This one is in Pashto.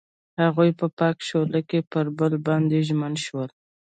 هغوی په پاک شعله کې پر بل باندې ژمن شول.